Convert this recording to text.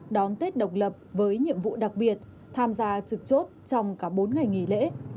đón tết độc lập với nhiệm vụ đặc biệt tham gia trực chốt trong cả bốn ngày nghỉ lễ